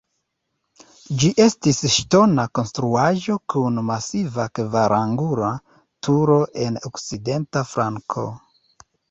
Ĝi estis ŝtona konstruaĵo kun masiva kvarangula turo en okcidenta flanko.